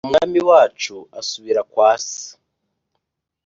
Umwami wacu asubira kwa se